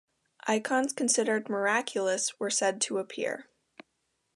Icons considered miraculous were said to appear.